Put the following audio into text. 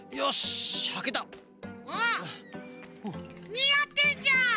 にあってんじゃん！